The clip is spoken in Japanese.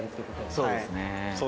そうですね。